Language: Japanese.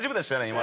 今。